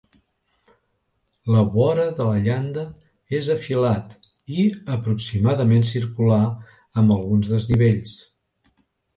La vora de la llanda és afilat i aproximadament circular, amb alguns desnivells.